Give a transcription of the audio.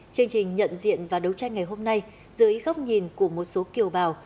chương trình nhận diện và đấu tranh ngày hôm nay dưới góc nhìn của một số kiều bào